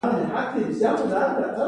ټلېفون وکړم